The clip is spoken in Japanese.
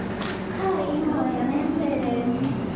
はい、今は４年生です。